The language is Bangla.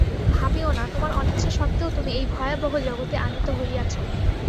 ভাবিও না, তোমার অনিচ্ছাসত্ত্বেও তুমি এই ভয়াবহ জগতে আনীত হইয়াছ।